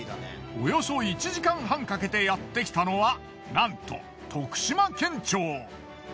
およそ１時間半かけてやってきたのはなんと徳島県庁。